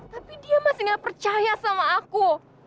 tapi dia masih gak percaya sama aku